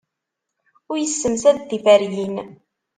Ur yessemsad tiferyin.